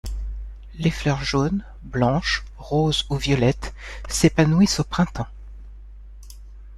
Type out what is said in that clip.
Les fleurs jaunes, blanches, roses ou violettes, s'épanouissent au printemps.